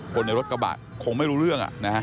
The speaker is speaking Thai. คนในรถกระบะคงไม่รู้เรื่อง